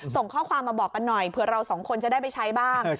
ส่งข้อความมาบอกกันหน่อยเผื่อเราสองคนจะได้ไปใช้บ้าง